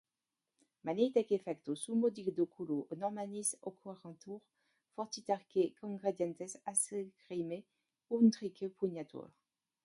Mane itaque facto, summo diluculo a Normannis occurritur fortiterque congredientes, acerrime utrinque pugnatur.